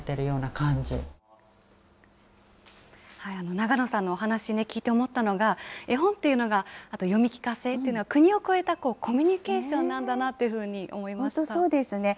長野さんのお話、聞いて思ったのが、絵本っていうのが、あと読み聞かせっていうのが、国を越えたコミュニケーションなん本当そうですね。